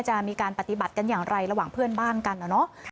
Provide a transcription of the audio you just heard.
จะมีการปฏิบัติกันอย่างไรระหว่างเพื่อนบ้านกันนะเนาะ